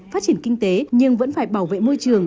phát triển kinh tế nhưng vẫn phải bảo vệ môi trường